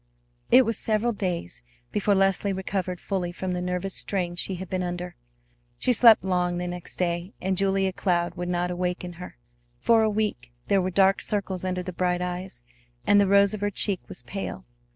It was several days before Leslie recovered fully from the nervous strain she had been under. She slept long the next day, and Julia Cloud would not waken her. For a week there were dark circles under the bright eyes, and the rose of her cheek was pale.